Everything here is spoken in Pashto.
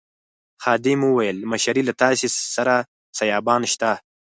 خادم وویل مشرې له تاسي سره سایبان شته.